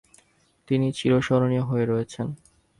তিনি চীরস্মরণীয় হয়ে রয়েছেন।